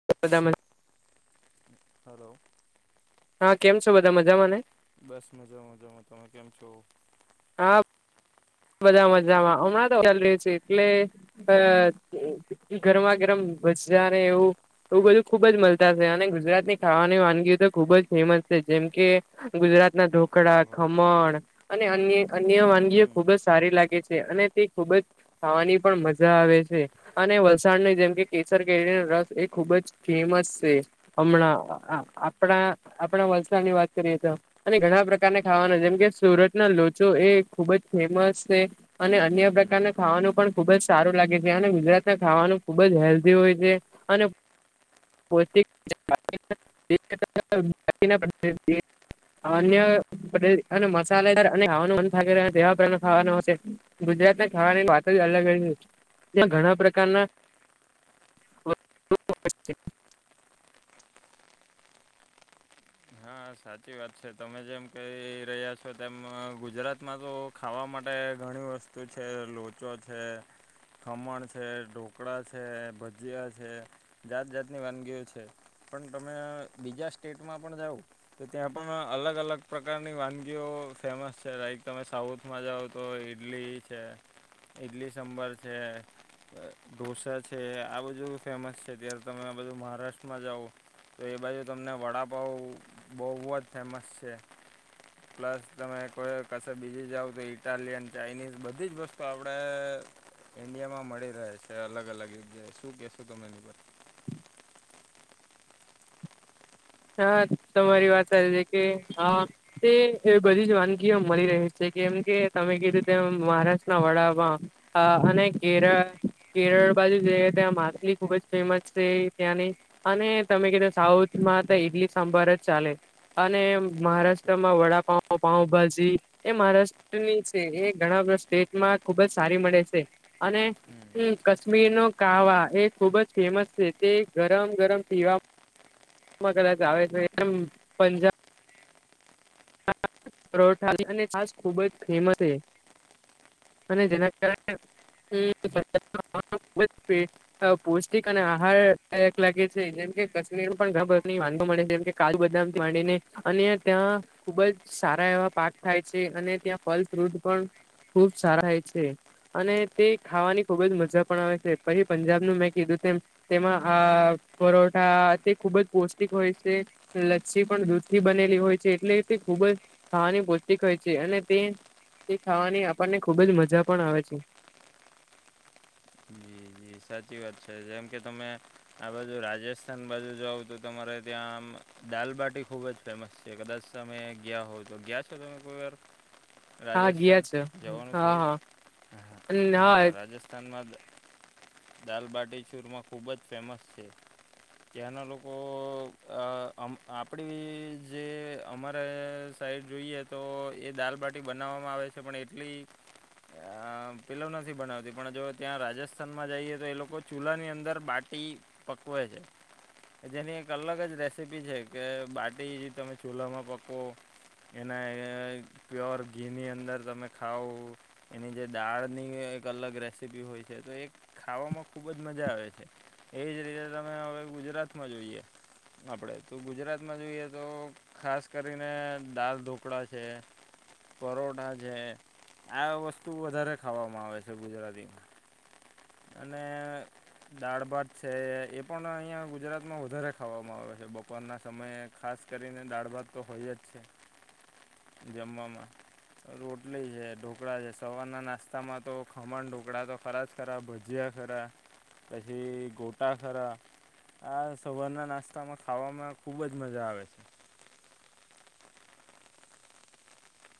[unintelligible] Hello. હા કેમ છો બધા મજામાં ને. બસ મજા મજામાં તમે કેમ છોો હા બધા મજામાં હમણાં તો ચાલ રહ્યું છે એટલે અ ગરમા ગરમ ભજજા ને એવું એવું બધું ખુબ જ મળતા છે અને ગુજરાતની ખાવાની વાનગીઓ તો ખુબ જ ફેમસ છે જેમ કે ગુજરાત ના ઢોકળા ઓહો ખમણ અને અન્ય અન્ય વાનગી હમ ખુબ જ સારી લાગે છે, અને તે ખુબ જ ખાવાની પણ મજા આવે છે. અને વલસાડની જેમ કે કેસર કેરીનો રસ એ ખુબ જ ફેમસ છે. હમણાં આપણા આપણા વલસાડની વાત કરીએ તો અને ઘણા પ્રકારને ખાવાના જેમ કે સુરત ના લોચો એ ખુબ જ ફેમસ છે. અને અન્ય હમ પ્રકારના ખાવાનું પણ ખુબ જ સારું લાગે છે, અને ગુજરાતના ખાવાનું ખુબ જ હેલ્ધી હોય છે. અને [inaudible] અન્ય અને મસાલેદાર અને ખાવાનું મન [unintelligible] ખાવાનું હશે ગુજરાતને ખાવાની વાતો જ અલગ હોય ત્યાં ઘણા પ્રકારના [inaudible] હા સાચી વાત છે, તમે જેમ કહી રહ્યા છો તેમ ગુજરાતમાં તો ખાવા માટે ઘણી વસ્તુ છે, લોચો છે. ખમણ છે, ઢોકળા છે, ભજીયા છે, જાત જાતની વાનગીઓ છે. પણ તમે બીજા સ્ટેટમાં પણ જાઓ તો ત્યાં પણ અલગ અલગ પ્રકારની વાનગીઓ ફેમસ છે, લાઈક તમે સાઉથ માં જાવો તો ઈડલી છે, ઈડલી સાંભર છે. ઢોસા છે, આ બધું ફેમસ છે, ત્યારે તમે આ બધું મહારાષ્ટ્રમાં જાઓ તો એ બાજુ તમને વડાપઉ બોવ જ ફેમસ છે. [inaudible] પ્લસ તમે કોઈ કશે બીજી જાઓ તો ઈટાલિયન ચાઇનીઝ બધી જ વસ્તુ આપણે ઈન્ડિયામાં મળી રહે છે, અલગ અલગ જગ્યાએ શું કહેશો તમે એની ઉપર? હા હલો તમારી વાત સાચી કે હા તે એ બધી જ વાનગીઓ મળી રહી છે, કેમ કે તમે કીધું તેમ મહારાષ્ટ્રના વડાપાંવ અ અને ઘેર કેરળ બાજુ જયે ત્યાં માછલી ખુબ જ ફેમસ છે, ત્યાંની અને તમે કીધું સાઉથમાં ઈડલી સાંભર જ ચાલે અને સાચી વાત મહારાષ્ટ્રમાં વડાપાંવ પાઉભાજી એ મહારાષ્ટ્રની છે, એ ઘણા બધા સ્ટેટમાં ખુબ જ સારી મળે છે. અને હમ ક મીર નો કાવા એ ખુબ જ ફેમસ છે, તે ગરમ ગરમ પીવા માં કદાચ આવે છે, એમ પંજા પરોઠા અને છાસ ખુબ જ ફેમસ છે. અને જેના કારણે [unintelligible] પૌષ્ટિક અને આહારદાયક લાગે છે, જેમ કે કાશ્મીર પણ ઘણા બધાની વાનગી મળે જેમ કે કાજુ બદામથી માંડીને અને ત્યાં ખુબ જ સારા એવા પાક થાય છે, અને ત્યાં ફલ ફ્રૂટ પણ ખુબ સારા થાય છે. અને તે ખાવાની ખુબ જ મજા પણ આવે છે, પછી પંજાબનું મેં કીધું તેમ તેમાં આ પરોઠા તે ખુબ જ પૌષ્ટિક હોય છે. લચ્છી પણ દૂધથી બનેલી હોય છે, એટલે તે ખુબ જ ખાવાની પૌષ્ટિક હોય છે, અને તે તે ખાવાની આપણને ખુબ જ મજા પણ આવે છે. જી, જી સાચી વાત છે, જેમ કે તમે આ બાજુ રાજસ્થાન બાજુ જાવ તો તમારે ત્યાં આમ દાલબાટી ખુબ જ ફેમસ છે, કદાચ તમે ગયા હોય તો ગયા છો તમે કોઈ વાર [inaudible] હા ગયા રાજસ્થાન છે જવાનું હા હા થયું હા રાજસ્થાનમાં દાલબાટી ચૂરમાં ખૂબ જ ફેમસ છે. ત્યાંના લોકો અ આપણી જે અમારે સાઈડ જોઈએ તો એ દાલબાટી બનાવવામાં આવે છે, પણ એટલી પિલવ નથી બનાવતી પણ જો ત્યાં રાજસ માં જઈએ તો એ લોકો ચૂલાની અંદર બાટી પકવે છે. કે જેની એક અલગજ રેસીપી છે કે બાટી તમે ચૂલામાં પકોવો એના પ્યોર ઘીની અંદર તમે ખાવ. એની જે દાળની એક અલગ રેસીપી હોય છે તો એક ખાવામાં ખૂબજ મજા આવે છે એજ રીતે તમે હવે ગુજરાતમાં જોઈએ આપણે તો ગુજરાતમાં જોઈએ તો ખાસ કરીને દાલ ઢોકળા છે. પરોઠા છે આ વસ્તુ વધારે ખાવામાં આવે છે ગુજરાતીમાં. અને દાળ ભાત છે એ પણ અહીંયા ગુજરાતમાં વધારે ખાવામાં આવે છે બપરના સમયે ખાસ કરીને દાળ ભાત તો હોયજ છે. જમમાં. રોટલી છે ઢોકળા છે સવારના નાસ્તામાં તો ખમણ ઢોકળા તો ફરાત ખરા ભજયા ખરા પછી ગોટા ખરા આ સવારના નાસ્તામાં ખાવામાં ખૂબ જ મજા આવે છે.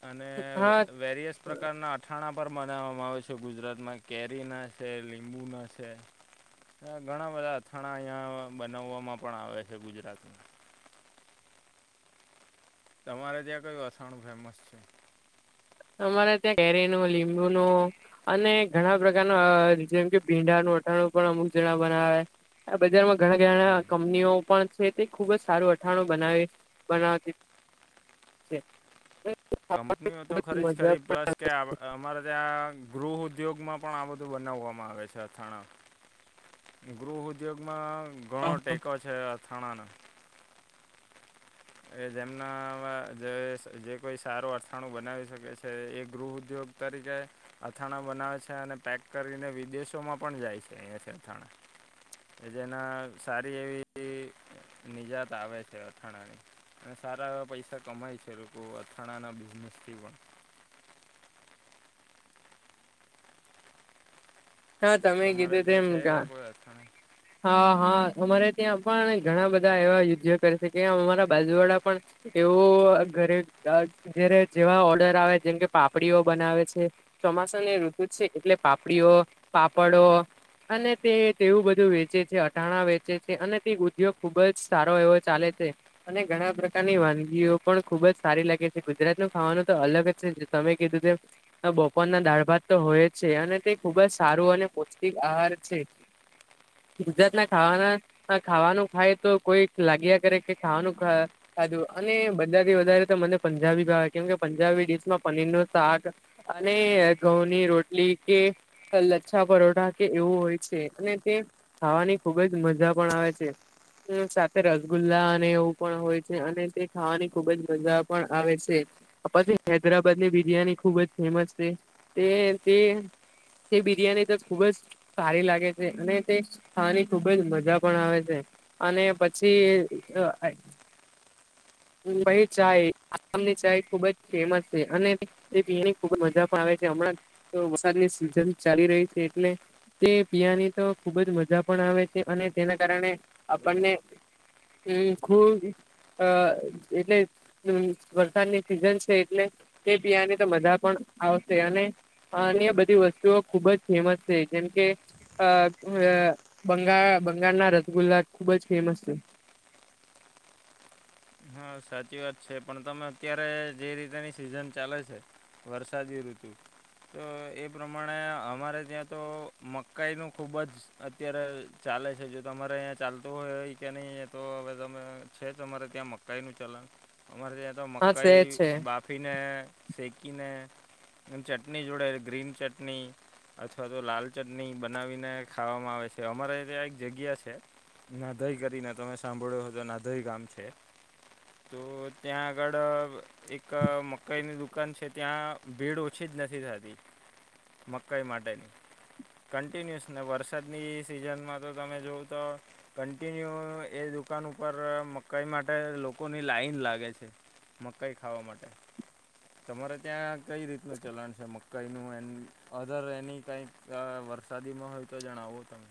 અને હા વેરિયસ પ્રકારના અઠાણા પર બનાવવામાં આવે છે ગુજરાતમાં કેરીના છે લીંબુના છે. ઘણા બધા અથાણા અહીંયા બનાવવામાં પણ આવે છે ગુજરાતમાં. તમારે ત્યાં કયું વસાડ ફેમસ છે. અમારે ત્યાં કેરી નું લીંબુનું અને ઘણા પ્રકારના જેમ કે ભીંડાનું અટાણું પણ અમુક જણા બનાવે હ બજારમાં ઘણા ઘણા હમ કંપનીઓ પણ છે તે ખુબજ સારું અથાણું બનાવે બનાવતી છે. કંપનીઓ તો ખરીજ કરીરી પ્લસ કે આ અમારે ત્યાં ગૃહ ઉદ્યોગમાં પણ આ બધું બનાવવામાં આવે છે અથાણા. ગૃહ ઉદ્યોગમાં ઘણો ટેકો છે અથાણાના એ જેમના જે જે કોઈ સારું અથાણું બનાવી શકે છે એ ગૃહ ઉદ્યોગ તરીકે અથાણા બનાવે છે અને પેક કરીને વિદેશોમાં પણ જાય છે અહીંથી અથાણા કે જેના સારી એવી નિજાત આવે છે અથાણાની અને સારા એવા પૈસા કમાય છે લોકો અથાણાના બિઝનેસથી પણ. હા તમે ગીધું તે એમ કા થ હા હા અમારે ત્યાં પણ ઘણા બધા એવા યુદ્ધ કરે છે કે અમારા બાજુવાડા પણ એવું ઘરે જારે જેવા ઓર્ડર આવે જેમ કે પાપડીઓ બનાવે છે. ચોમાસાને ઋતુજ છે એટલે પાપડીઓ પાપડો અને તે તેવું બધું વેચ અટાણા વેચે છે અને તે ઉદ્યોગ ખુબજ સારો એવો ચાલે છે અને ઘણા પ્રકણના ની વાનગીઓ પણ ખુબજ સારી લાગે છે ગુજરાત નું ખાવાનું તો અલગજ છે તમે કીધું બપોરના દાળ ભાત તો હોય છે અને તે ખુબજ સારું અને પૌષ્ટિક આહાર છે. ગુજરાત ના ખાવાના ખાવાનું ખાયતો કોઈ લાગ્યા કરે કે ખાવાનુંા. સાચું અને બધાથી વધારે તો મને પંજાબી ખાવ કેમ કે પંજાબી ડિશમાં પનીરનું શાક અને ઘઉંની રોટલી કે લચ્છા પરોઠા કે એવું હોય છે અને તે ખાવાની ખુબ જ મજા પણ આવે છે સાથે રસગુલ્લા અને એવું પણ હોય છે અને તે ખાવાની ખુબ જ મજા પણ આવે છે પછી હૈદરાબાદ ની બિરિયાની ખુબ જ ફેમસ છે તે તે તે બિરિયાની તો ખુબ જ સારી લાગે છે અને તે હાની ખુબ જ મજા પણ આવે છે અને પછી ભાઈ ચાય આમની ચાય ખુબ જ ફેમસ છે અને એ બી એની ખુબ મજા પણ આવે છે હમણાં તો વરસાદની સિઝન ચાલી રહી છે એટલે તે પિયાની તો ખુબ જ મજા પણ આવે છે અને તેના કારણે આપણને હમ્મ ખુબ અ એટલે વરસાદની સિઝન છે એટલે તે પીવાની તો મજા પણ આવશે અને હ અને બધી વસ્તુઓ ખુબ જ ફેમસ છે જેમ કે અ બંગાળ બંગાળના રસગુલ્લા ખુબ જ ફેમસ છે. હા સાચી વાત છે પણ તમે અત્યારે જે રીતેની સિઝન ચાલે છે. વરસાદી ઋતુ તો એ પ્રમાણે અમારે ત્યાં તો મકાઈનું ખૂબ જ અત્યારે ચાલે છે જો તમારે અ્યાં ચાલતું હોય કે નહી તો હવે તમે છે જ તમારે ત્યાં મ મકાઈનું ચલણ અમારે ત્યાં તો હા મકાઈ શહેર છે બાફીને શેકીને ચટણી જોડે ગ્રીન ચટણી અથવા તો લાલ ચટણી બનાવીને ખાવામાં આવે છે અમારે ત આ એક જગ્યા છે. નાધઈ કરીને તમે સાંભળ્યો તો નાધઈ ગામ છે. તો ત્યાં આગળ એક મકઈની દુકાન છે ત્યાં ભીડ ઓછી જ નથી થતી. મકાઈ માટેની કન્ટિન્યુઅસ ને વરસાદની સિઝનમાં તો તમે જોવં તો કન્ટિન્યુ એ દુકાન ઉપર મકાઈ માટે લોકો લોકોની લાાઈન લાગે છે મકાઈ ખાવા માટે. તમારે ત્યાં કઈ રીતનું ચલણ છે મકાઈનું એમ. અગર એની કાંઈક વરસાદી ન હોય તો જણાવો તમે.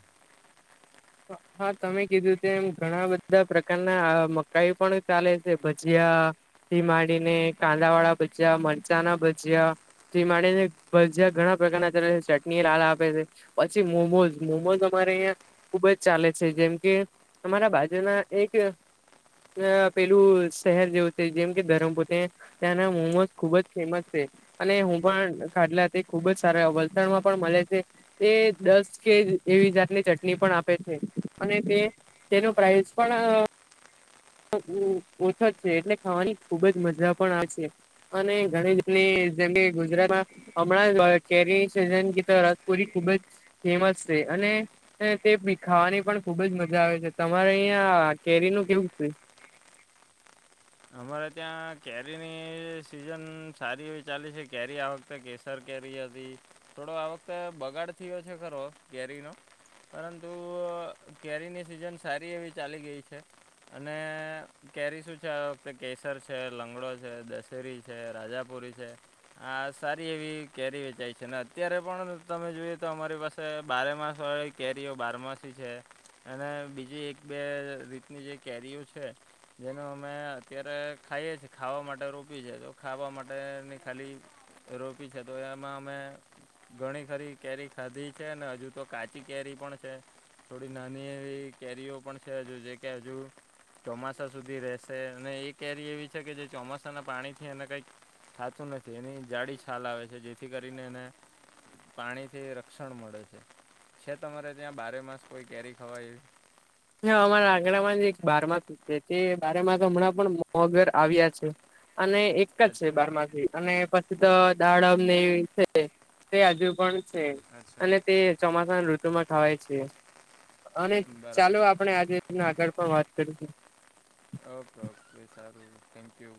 હા તમે કીધું છે એમ ઘણા બધા પ્રકારના મકાઈ પણ ચાલે છે ભજીયા ભી માંડીને કાંદા વાળા ભજ્યા, મરચાણા ભજ્યા તે માટેને ભજયા ઘણા પ્રકારના ચલે છે ચટણી લાલ આપે છે. પછી મોમોઝ મોમોઝ અમારે અહં ખુબ જ ચાલે છે જેમ કે અમારા બાજુના એક અ પેલું શહેર જેવું છે જેમ કે ધરમપુર ત્યાંના મોમોઝ ખુબ જ ફેમસ છે. અને હું પણ ખાઢલા તે ખુબ જ સારા વલસાડમાં પણ મળે છે. એ દસ કે એવી જાતને ચટણી ની પણ આપે છે અને તે તેનો પ્રાાઈઝ પણ ઓછા છે. એટલે ખાવાની ખુબ જ મજા પણ આવે છે. અને ઘણી જની જેમ કે ગુજરાતમાં હમણાં કેરી સન ગી તો રસપુરી ખુબ જ ફેમસ છે અને તેી ખાવાની પણ ખુબજ મજા આવે છે તમારે અહિયાં કેરી નું કેવું છે? અમારે ત્યાં કેરીની સિઝન સારી એવી ચાલી છે કેરી આ વખતે કે સર કેરી હતી થોડો આ વખતે બગાડ થયો છે ખરો કેરીનો. પરંતુ કેરીની સિઝન સારી એવી ચાલી ગઈ છે. અને કેરી શું છે. તો કેસર છે, લંગડો છે, દશેરી છે, રાજાપુરી છે હા સારી એવી કેરી વેચાય છે ને અત્યારે પણ તમે જોઈયએ તો અમારી પાસે બારે માસ વાળી કેરીઓ બારમાસી છે. અને બીજી એક બે રીતની જે કેરીઓ છે જેનું અમે અત્યારે ખાઈએીએ ખાવા માટે રોપી છે તો ખાવા માટેની ખાલી એરોપી છે તો એમાં અમે ઘણી ખરી કેરી ખાધી છે ને હજુ તો કાચી કેરી પણ છે. થોડી નાની એવી કેરીઓ પણ છે હજુ જે કે હજુ ચોમાસા સુધી રહેશે. અને એ કેરી એવી છે કે જે ચોમાસાના પાણીથી અને કંઈક થાતું નથી એની જાડી છાલ આવે છે જેથી કરીને એને પાણીથી રક્ષણ મળે છે છે તમારે ત્યાં બારે માસ કોઈ કેરી ખવાય હ અમારા આંગણામાં જ એક બારમાસ તે બારમાસ હમણાં પણ મોગર આવ્યા છે અને એ છે અચ્છા બારમાથી અને પછી તો દાડમ વી છે તે હજુ પણ અચ્છા અને તે ચોમાસાના ઋતુમાં ખાવાય છે અને બરાબર ચાલો આપણે આજે આગળ પણ વાત કરીશું ઓકે ઓકે સારું થેન્ક યુ